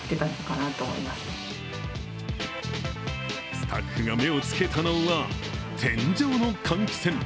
スタッフが目をつけたのは、天井の換気扇。